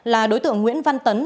là đối tượng nguyễn văn tấn